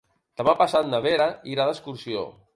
Demà passat na Vera irà d'excursió.